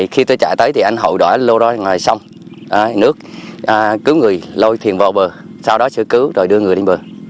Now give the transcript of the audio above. khi tôi chạy tới thì anh hội đó lô ra ngoài sông nước cứu người lôi thuyền vào bờ sau đó sẽ cứu rồi đưa người lên bờ